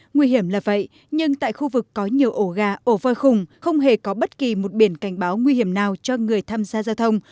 nguy hiểm là vậy nhưng tại khu vực có nhiều ổ gà ổ voi khủng không hề có bất kỳ một biển cảnh báo nguy hiểm nào cho người tham gia giao thông